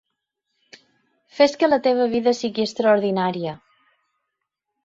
Fes que la teva vida sigui extraordinària!